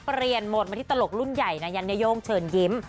เปลี่ยนโหมดมาที่ตลกรุ่นใหญ่ยันยโย่งเฉินยิ้ม